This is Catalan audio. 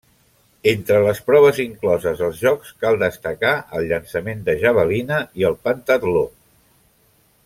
Entre les proves incloses als jocs cal destacar el llançament de javelina i el pentatló.